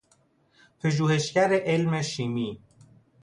پژوهشگر علم شیمی